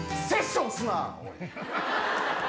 セッションすな！